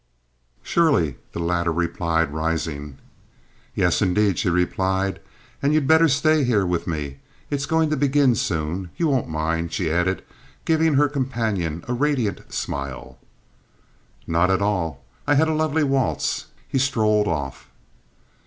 "Surely," the latter replied, rising. "Yes, indeed," she replied. "And you'd better stay here with me. It's going to begin soon. You won't mind?" she added, giving her companion a radiant smile. "Not at all. I've had a lovely waltz." He strolled off.